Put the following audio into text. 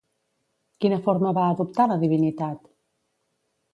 Quina forma va adoptar la divinitat?